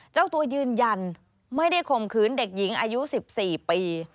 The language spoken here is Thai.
เจ้าตัวยืนยันไม่ได้ข่มขืนเด็กหญิงอายุ๑๔ปี